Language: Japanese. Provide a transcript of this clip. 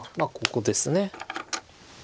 ここです。